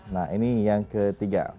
nah ini yang ketiga